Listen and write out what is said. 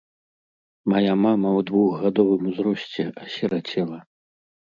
Мая мама ў двухгадовым узросце асірацела.